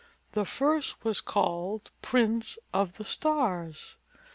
The first was called Prince of the Stars.